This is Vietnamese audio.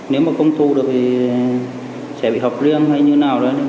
nếu mà không thu được thì sẽ bị hợp riêng hay như nào đó